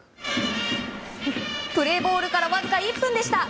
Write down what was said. プレーボールからわずか１分でした。